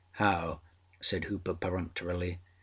â âHow?â said Hooper peremptorily.